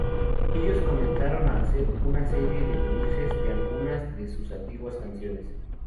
Ellos comenzaron a hacer una serie de remixes de algunas de sus antiguas canciones.